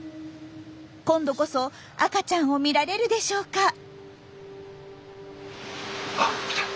今度こそ赤ちゃんを見られるでしょうか？